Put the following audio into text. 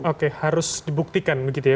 oke harus dibuktikan begitu ya